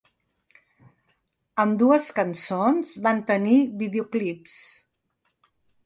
Ambdues cançons van tenir videoclips.